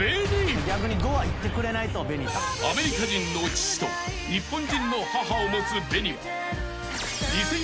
［アメリカ人の父と日本人の母を持つＢＥＮＩは］